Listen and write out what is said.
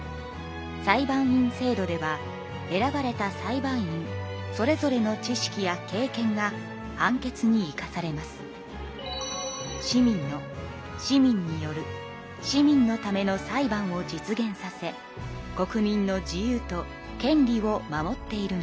裁判員制度では選ばれた裁判員それぞれの知識や経験が判決に生かされます。を実現させ国民の自由と権利を守っているのです。